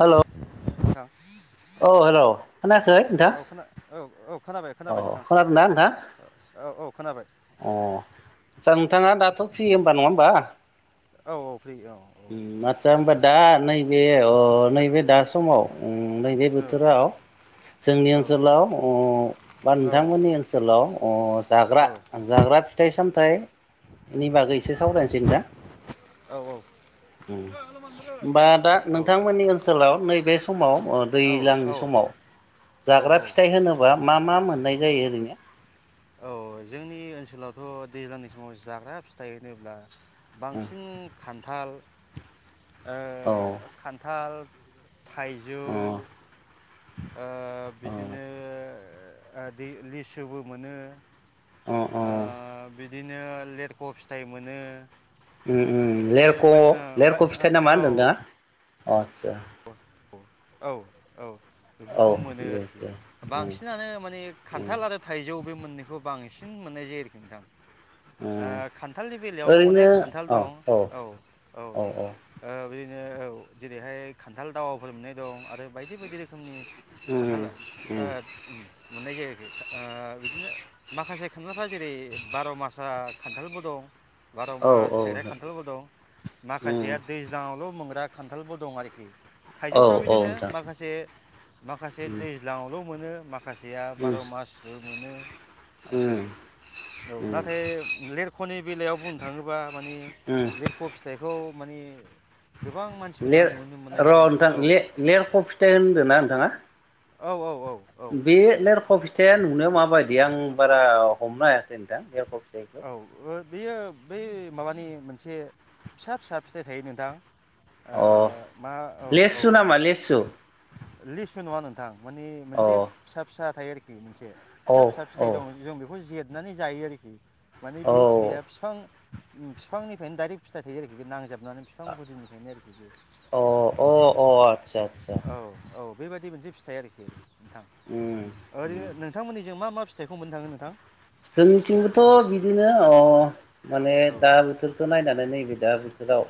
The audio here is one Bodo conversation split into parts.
हेल' औ। औ हेल' खोनायाखै नोंथां औ खोना औ औ खोनाबाय औ खोनाबाय नोंथां खोनादोंना नोंथां औ औ खोनाबाय अ आतसा नोंथाङा दाथ' फ्रि ओमबा नङा ओमबा? औ फ्रि औ ओम आतसा होमबा दा नैबे अ नैबे दा समाव ओम नैबे औ बोथोराव जोंनि औ ओनसोलाव बा औ नोंथांमोननि अ ओनसोलाव जाग्रा औ जाग्रा फिथाइ सामथाइ सामथाइनि बागै एसे सावरायनोसै नोंथां औ ओम ओमबा दा नोंथांमोननि ओनसोलाव नैबे समाव ओ दैज्लांनि औ समाव औ जाग्रा औ फिथाइ होनोबा मा मा मोननाय जायो ओरैनो? औ जोंनि ओनसोलावथ' दैज्लांनि समाव जाग्रा फिथाइ होनोब्ला उम बांसिन खान्थाल ओ खान्थाल थाइजौ औ ओ अ बिदिनो ओ दै लिसुबो मोनो अ आ बि बिदिनो लेरख' फिथाइ मोनो। ओम ओम बिदिनो लेरख' बा ओ लेरख' फिथाइ नामा होनदों [unintelligible] अ अ औ औ औ औ बेफोरखौ मोनो दे आरोखि दे उम बांसिनानो माने उम खान्थाल आरो थाइजौ बे मोननैखौ बां बिसिन मोननाय जायो आरोखि नोंथां ओ उम खान्थालनि बेलायावबो ओरैनो अनेख खान्थाल औ दं औ औ ओ बि बिदिनो औ जेरैहाय खान्थाल दावाफोर मोननाय दं आरो बायदि बायदि रोखोमनि खान्थाल उम ओ उम मोननाय जायोखि ओ बिदिनो माखासे खानथालफ्रा जेरै बार' मासा खान्थालबो दं। बार' औ औ मास थाइग्रा नोंथां खान्थालबो दं उम माखासेया दैज्लांवाल' मोनग्रा खान्थालबो दं आरोखि औ थाइजौफ्रा औ बिदिनो नोंथां माखासे माखासे उम दैज्लाङावल' मोनो माखासेया उम बार' मासबो मोनो आरोखि उम औ उम उम नाथाय लेरख'नि बेलायाव बुंनो थाङोबा माने लेरख' फिथाइखौ माने गोबां लेर मानसिफोरनावनो नुनो मोननाय र' जाला नोंथां औ लेरख' फिथाइ होनदों ना नोंथाङा औ औ औ औ बे लेरख' फिथ या नुनो माबायदि आं बारा हमनो हायाखै नोंथां लेरख' फिथाइखौ औ ओ बेयो बै माबानि मोनसे फिसा फिसा फिथाइ थायो नोंथां ओ अ मा औ औ लेस्सु नामा लेस्सु लिसु नङा नोंथां माने मोनसे अ फिसा फिसा थायो आरोखि मोनसे फिसा औ फिसा फिथाइ औ दं जों बेखौ जेद मनानै जायो आरोखि माने औ बियो फिथाइया बिफां बिफांनिफ्रायनो दाइरेक्ट फिथाइ थायो आरोखि बे नांजाब नुनानै बिफां गुदिनिफ्रायनो आरोखि बे अ अ आतसा आतसा औ औ बेबायदि मोनसे फिथाइ आरोखि नोंथां उम ओरैनो उम नोंथांमोननिजों मा मा फिथाइखौ मोननो थाङो नोंथां जोंनिथिंबोथ' बिदिनो अ माने औ दा बोथोरखौ नायनानै नै बायदि दा दाउ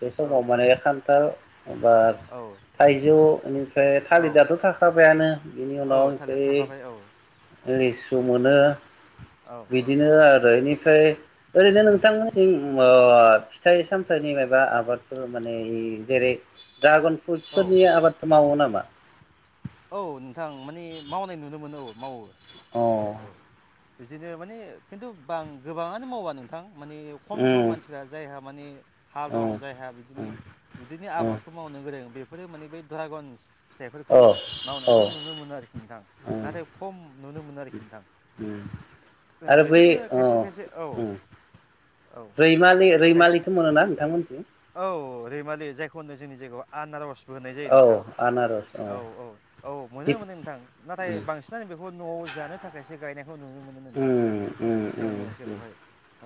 बे औ समाव माने खानथाल एबार औ थाइजौ बेनिफ्राय औ थालिर दाथ' थाखाबायानो बिनि औ उनाव थालिर थाखाबाय औ ओमफ्राय लिसु मोनो औ औ बिदिनो आरो फ्राय ओरैनो नोंथांमोननिथिं अ फिथाइ सामथाइनि मायबा आबाद ओ माने जेरै ड्रागन औ बेसोरनि आबादखौ मावो नामा मा औ नोंथां मानि मावनाय नुनो मोनो औ मावो ह [unintelligible] औ अ बिदिनो माने खिन्थु बां गोबाङानो मावा नोंथां माने खम सम उम मानसिफ्रा जायहा माने हा दं उम जायहा बिदिनो उम बिदिनो उम आबादखौ मावनो गोरों बे बेफोरो माने बे द्रागन फिथाइफोरखौ औ औ मावनायखौ नुनो मोनो आरोखि नोंथां उम नाथाय खम नुनो मोनो आरोखि नोंथां उम ओ आरो बै बेफोरदिनो अ खायसे खायसे औ औ रैमालि खायसे रैमालिखौ मोनोना नोंथांमोनिथिं। औ रैमालि जायखौ होनो जोंनि जायगायाव आनारस होननाय जायो औ नोंथां आनारस औ औ औ मोनो थिग मोनो नोंथां नाथाय उम बांसिनानो बेखौ न'आव जानो [unintelligible] नोंथां उम जोंनि उम ओनसोलावहाय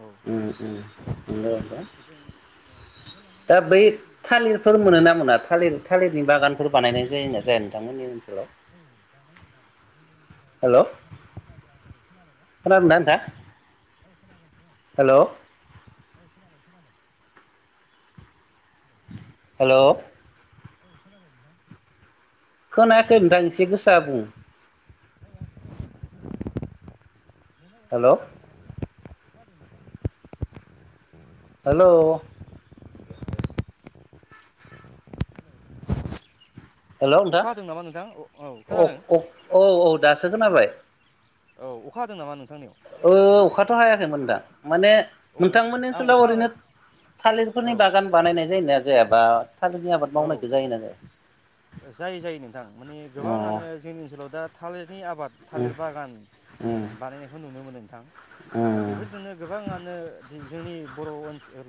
औ उम लोगोसे जों ओ खान्थालानो दा मेन बै जाहैबाय जोंनि थालिरफोर मोनोना मोना थालिर थालिरनि बागानफोर बानायनाय जायो ना जाया नोंथांमोननि [unintelligible] ओनसोलाव? खोनाबाय हेल' ना खोनादोंना नोंथां? औ खोनागासिनो हेल' आं औ खोनाबाय खोनाबाय हेलौ हेलौ औ खोनाबाय नोंथां [unintelligible] नोंथां एसे खोनाबाय गोसा बुं औ आं खोनाबाय हेलौ नोंथां खोनाबाय नोंनाव हेलौ हेलौ नोंथां अखा हादों नामा नोंथां अखा हादों नामा हेलौ अखा हादों नामा नोंथां औ खोनादों अ औ औ दासो खोनाबाय औ अखा हादों नामा नोंथांनियाव थ हायाखैमोन दा माने औ नोंथांमोननि आं ओनसोलाव अखा हानाय ओरैनो थालिरफोरनि बागान बानायनाय जायोना आरो [unintelligible] थालिरनि आबाद औ औ मावनायखौ जायो ना जाया जायो जायो नोंथां माने अ गोबाङानो जोंनि ओनसोलाव दा थालिरनि उम थालिर बागान उम उम बानायनायखौ नुनो मोनो नोंथां उम बेफोरजोंनो गोबाङानो जो जोंनि बर ओनसोल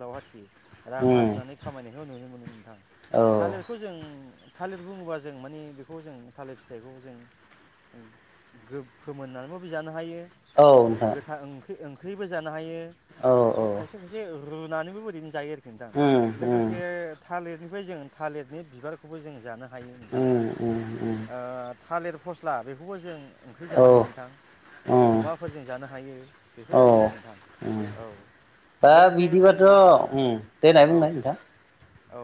[inaudible] रां आरजिनानै औ खामायनायखौ नुनो मोनो। नोंथां औ थालिरखौ जों थालिर बुङोबा जों माने बेखौ जों थालिर फिथाइखौ जों गो फोमोननानैबो जानो हायो। नोंथां गोथां ओंख्रि ओं। ख्रिबो जानो हायो। औ खायसे खायसे ओरैनो जायो आरो नोंथां उम उम लोगोसे थालिर निफ्राय जो थालिरनि बिबारखौबो जोङो जानो हायो नोंथां उम उम उम ओ थालिर फस्ला बेखौबो जों ओंख्रि जानो हायो औ नोंथां औ उम अमाफोरजों जानो हायो औ बेफोर आरो नोंथां उम औ दा लोगोसे जों बिदिबाथ' ओ उम देनाय औ। बुंनाय नोंथां औ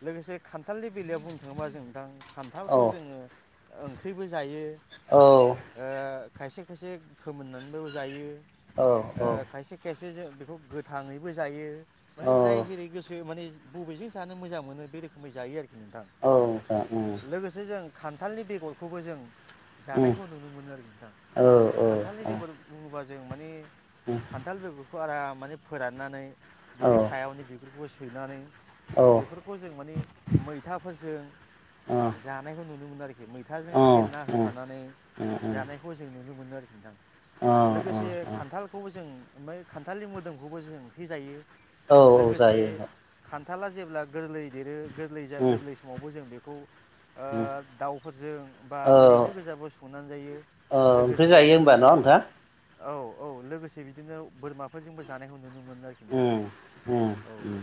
लोगोसे खान्थालनि बेलायाव बुं थाङोबा जों औ खान्थालखौ जोङो ओंख्रिबो जायो औ ओ खायसे खायसे फोमोननानैबाबो जायो। औ ओ औ खायसे खायसे जों बेखौ गोथाङैबो जायो। औ माने जाय जेरै गोसो माने बबेजों जानो मोजां मोनो बे रोखोमै जायो आरोखि नोंथां। औ नोंथां ओम लोगोसे जों खान्थालनि बेगरखौबो जों औ जानायखौ नुनो मोनो आरोखि नोंथां औ खान्थालनि औ बेगर बुङोबा। जों माने उम खान्थाल बेगरखौ आराम माने फोराननानै औ बिनि सायावनो बिगुर खौ सैनानै औ बेफोरखौ जों माने मैथा फोरजों अ जानायखौ नुनो मोनो आरो खि। मैथाजों अ एसे ना होफानानै अ जानायखौ जों नुनो मोनो आरोखि नोंथां। अ लोगोसे खान्थालखौबो जों ओमफ्राय खान्थालि मोदोमखौबो जों ओंख्रि जायो। औ औ जायो नोंथां। थाला जेब्ला गोरलै देरो गोरलै जा उम गोरलै न'आवनो जों बेखौ ओ उम दाउफोरजों बा औ ओरैनो गोजाबो संनानै जायो औ ओंख्रि लोगोसे जायो होमबा बिदिनो। न' नोंथां? औ औ लोगोसे बिदिनो बोरमाफोरजोंबो जानायखौ नुनो मोनो आरोखि नोंथां। उम उम औ उम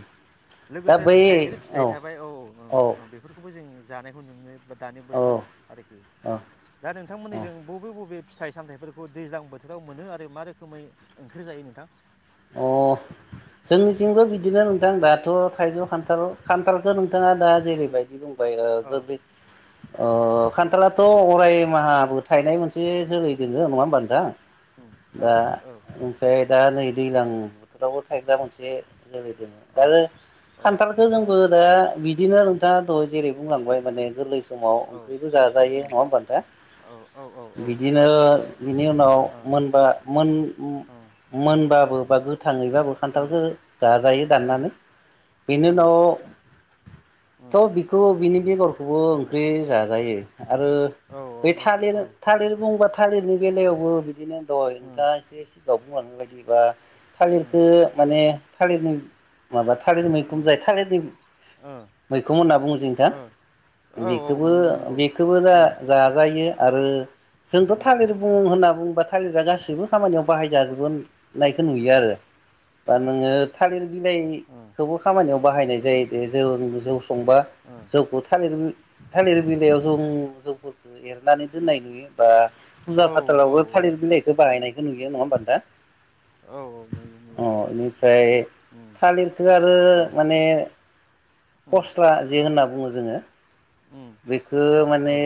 दा लोगोसे बै थाइगिर फिथाइ थाबाय औ औ औ बेफोरखौबो जों जानायखौ नुयो। बा दानि औ बोथोराव आरोखि औ दा नोंथांमोननि जों बबे बबे फिथाइ-सामथायाइफोरखौ दैज्लां बोथोराव मोनो आरो मा रोखोमै ओंख्रि जायो नोंथां? अ' जोंनिथिंबो बिदिनो नोंथां दाथ' थाइजौ खान्थाल खान्थालखो नोंथाङा दा जेरैबायदि दं बायगार ओ औ बि ओ औ खान्थालाथ' अराय खेमाहाबो थायनाय मोनसे जोलै दोङो नङा होमबा नोंथां। उम दा औ औ ओमफ्राय दा नै दैज्लां बोथोरावबो थाइग्रा मोनसे औ आरो खान्थालखो जोंबो ओ बिदिनो नोंथाङाथ' जेरै बुंलांबाय माने गोरलै समाव औ औ ओंख्रिबो जाजायो उम नङा होमबा नोंथां। औ औ औ ओ औ बिदिनो बिनि उनाव मोनबा मोन ओ मोनबा [unintelligible] थाङैबाबो खान्थालखो जाजायो दाननानै बेनि उनाव थ' बिखौ बिनि बेगरखौबो ओंख्रि जाजायो। आरो ओ बे थालिर थालिर बुंबाथ' हारिनि बेलायावबो बिदिनो औ दा एसे औ बुंलांबाय बिबा थालिरखो माने थालिरनि माबा थालिर ओ मैखोम जायो थालिरनि ओ मैखोम होनना बुङो जों नोंथां ओ औ औ बेखोबो नंगौ नंगौ बेखोबो जा उम जाजायो। आरो जोंथ' उम थालिर बुङो होनना बुं बा थालिरा गाससिबो खामानियाव बाहाय जाजोबो नाय खो नुयो आरो बा नोङो थालिर उम बिलाइखौबो खामानियाव बाहायनाय [unintelligible] संबा उम जौखौ थालिर थालिर बिलाइयाव जौ जौफोरखो एरनानै दोननाय नुयो बा औ फुजा औ फाथालावबो औ थालिर बिलाइखो बाहायनायखो नुयो। बे नङा होनबा दा? औ नुयो नुयो अ' बेनिफ्राय उम थालिरखो आरो औ माने उम फस्ला जे होनना बुङो जोङो। उम बेखौ औ माने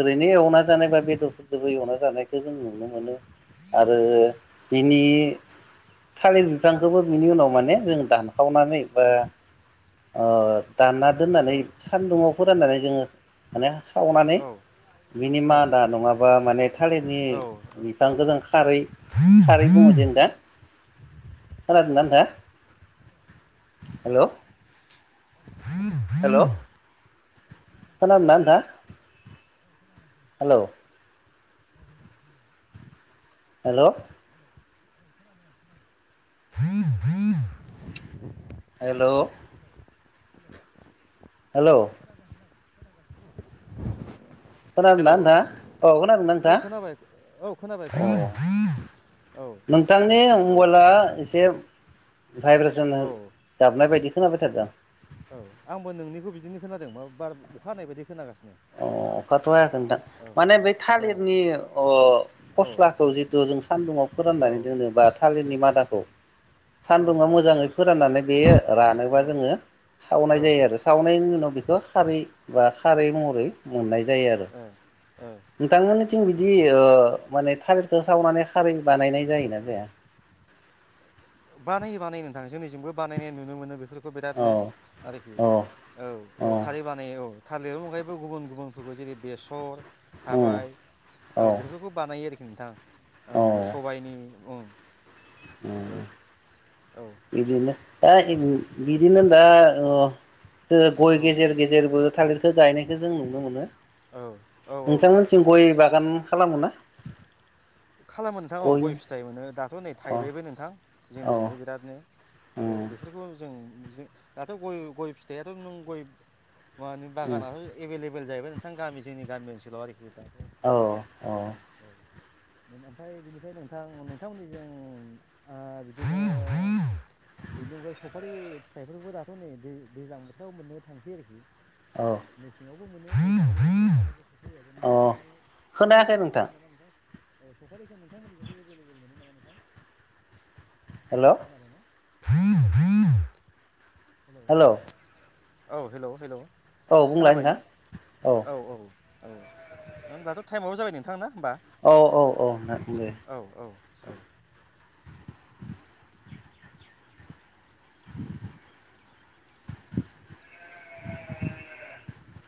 ओरै ने एवना जानाय बा बेदरफोदोबो एवना जानाय खो जों नुनो मोनो उम आरो बिनि थालिर उम बिफांखोबो बिनि उनाव माने जों दानखावनानै बा ओ दानना दोननानै सान्दुंङाव गाननानै जोंङो माने सावनानै ओ बिनि औ मादा नङाबा माने थालिरनि औ औ बिफां खारै खारै बुंङो जों दा। खोनादों ना नोंथां हेल'? हेल'। खोनादों ना नोंथां आ हेल'? हेल' [inaudible] हेल' हेल' खोनादों ना हेलौ नोंथा औ खोनादों औ नोंथाङा खोनाबाय औ खोनाबाय औ खोनाबाय औ नोंथांनि औ मबाइला एसे भाइब्रेसन औ गाबनाय बायदि खोनाबाय थादों। औ आंबो नोंनिखौ बिदिनो खोनादों मा बार अखा हानाय बायदि खोनागासिनो। अ अखाथ' हायाखै औ माने बे औ थालिरनि अ औ फस्लाखौ जिथु जों सान्दुुंआव औ फोराननानै दोनोबा थालिरनि मादाखौ औ। औ सान्दुंङा मोजांङै फोराननानै बेयो रानोबा जोंङो सावनाय औ जायो आरो सावनायनि उनाव बेख बे खारै बा खारै मह मोननाय जायो आरो ओ ओ नोंथांमोननि आथिं बिदि ओ माने थालिरखौ सावनानै खारै बानायनाय जायोना जाया? बानायो बानाय नो थांङो जों नैजोंबो बानायनाय नुनो मोनो बे फोखौ औ बिरादनो आरोखि औ औ औ खारै बानायो औ थालिरनि अनगायैबो गुबुन गुबुनफोरखौ जेरै बेसर उम थाबाय औ बेफोरखौ बानायो आरोखि नोंथां औ ओं सबायाइनि औ बिदिनो दा बिदिनो दा अ जों औ गय गेजेर गेजेरबो थालिर खौ गायनायखौ जों नुनो मोनो औ औ औ नोंथांमोनसिम गय बा आगान खालामो ना खालामो नोंथां औ ग'य फिथाइ मोनो दाथ' नै अ थाइबायबो नोंथां औ जोंनिजोंबो बिरादनो, औ उम बेफोरखौ जों जों दाथ' गय गय फिथाइआथ' नों गय मानि उम बागानाथ' एभेलेबेल जाहैबाय नोंथां गामि जोंनि गामि ओनसोलाव आरोखि दाथ' औ औ ओमफ्राय बिनिफ्राय नोंथां नोंथांमोनै जों बिदि ओ बिनि अनगायै सफारि फिथाइफोरखौबो दाथ' नै दै दैज्लां बोथोराव मोननो थांसै आरोखि औ मेसेंगाव [inaudible] अ नोंथांमोनजोंङ एभेलेबेल मोनो नामा नोंथां? औ सफारिखौ नोंथांमोननिजोंबो एभेलेबेल मोनो नामा नोंथां? हेल' खोनाबायना? [inaudible] हेल' औ हेलौ हेल' औ बुंलाय खोनाबाय नोंथां ना औ औ औ नों दाथ' ताएम आबो जाबाय नोंथां ना होमबा औ औ औ दे औ औ औ [inaudible] [inaudible]